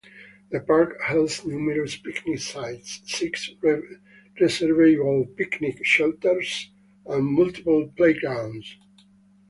The park has numerous picnic sites, six reserveable picnic shelters, and multiple playgrounds.